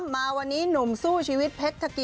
มาวันนี้หนุ่มสู้ชีวิตเพชรทะกี